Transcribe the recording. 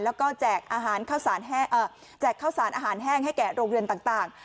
และแจกข้าวสารอาหารแห้งให้แกะโรงเรียนต่าง